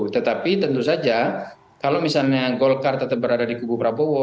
tetapi tentu saja kalau misalnya golkar tetap berada di kubu prabowo